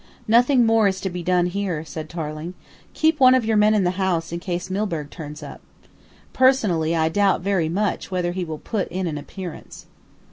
"Nothing more is to be done here," said Tarling. "Keep one of your men in the house in case Milburgh turns up. Personally I doubt very much whether he will put in an appearance."